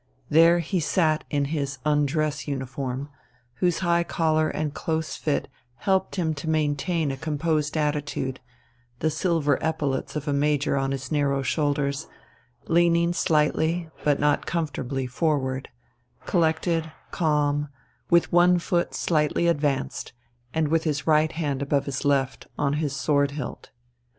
There he sat in his undress uniform, whose high collar and close fit helped him to maintain a composed attitude, the silver epaulettes of a major on his narrow shoulders, leaning slightly but not comfortably forward, collected, calm, with one foot slightly advanced, and with his right hand above his left on his sword hilt.